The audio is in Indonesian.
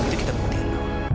itu kita buktikan